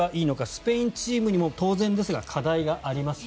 スペインチームにも当然ですが課題があります。